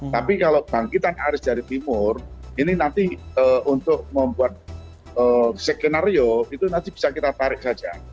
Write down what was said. tapi kalau bangkitan arus dari timur ini nanti untuk membuat skenario itu nanti bisa kita tarik saja